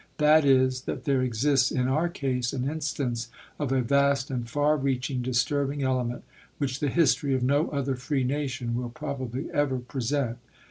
That is, that there exists in our case an instance of a vast and far reaching disturbing element which the history of no other free nation will probably ever present.